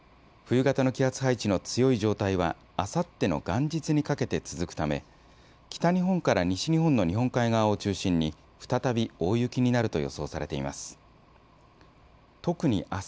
冬型の気圧配置の強い状態はあさっての元日にかけて続くため北日本から西日本の日本海側を中心に再び大雪なると予想されています。